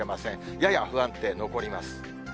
やや不安定残ります。